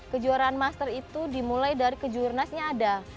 kejuaraan master itu dimulai dari kejurnasnya ada